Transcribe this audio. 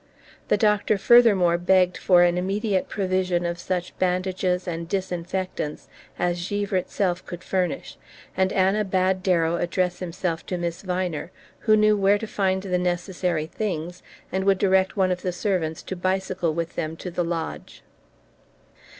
The doctor furthermore begged for an immediate provision of such bandages and disinfectants as Givre itself could furnish, and Anna bade Darrow address himself to Miss Viner, who would know where to find the necessary things, and would direct one of the servants to bicycle with them to the lodge.